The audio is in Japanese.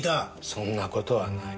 そんな事はない。